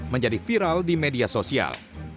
menjadi viral di media sosial